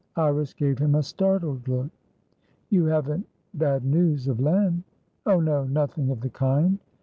Iris gave him a startled look. "You haven't bad news of Len?" "Oh no; nothing of the kind."